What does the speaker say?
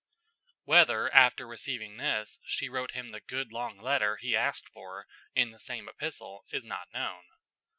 Whether, after receiving this, she wrote him the "good long letter" he asked for in the same epistle is not known.